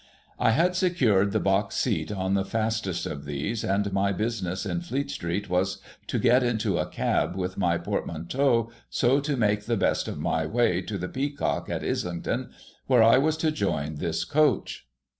I had secured the box seat on the fastest of these, and my business in Fleet street was to get into a cab with my j^ortmanteau, so to make the best of my way to the Peacock at Islington, where I was to join this coach.